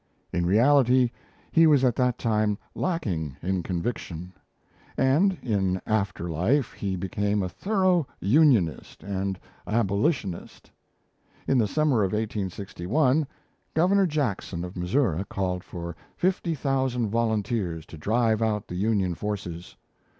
In reality, he was at that time lacking in conviction; and in after life he became a thorough Unionist and Abolitionist. In the summer of 1861, Governor Jackson of Missouri called for fifty thousand volunteers to drive out the Union forces.